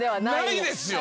ないですよ